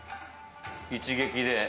一撃で。